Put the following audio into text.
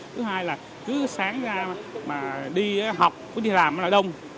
thứ hai là cứ sáng ra mà đi học cứ đi làm nó là đông